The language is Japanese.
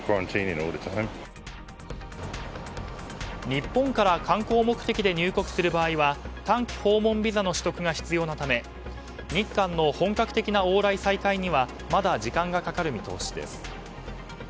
日本から観光目的で入国する場合は短期訪問ビザの取得が必要なため日韓の本格的な往来再開にはまだ時間がかかる見通しです。